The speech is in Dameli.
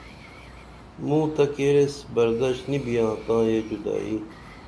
موں تہ کیریس بردش نی بیاں تاں یہ جُدائی